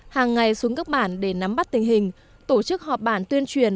hàng ngày xuống các bản để nắm bắt tình hình tổ chức họp bản tuyên truyền